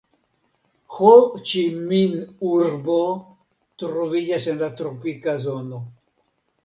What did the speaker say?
Ho-Ĉi-Min-urbo troviĝas en la tropika zono.